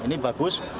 ini bagi kami